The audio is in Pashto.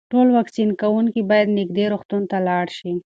ټول واکسین کوونکي باید نږدې روغتون ته لاړ شي.